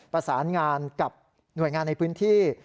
ประสานงานกับหน่วยงานในพื้นที่